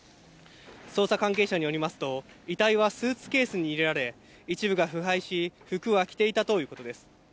捜査関係者によりますと、遺体はスーツケースに入れられ、一部が腐敗し、服は着ていたということです。